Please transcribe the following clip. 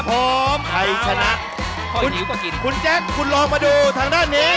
พร้อมใครชนะคุณอิ๋วก็กินคุณแจ๊คคุณลองมาดูทางด้านนี้